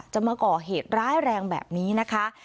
มาก่อเหตุร้ายแรงแบบนี้นะคะ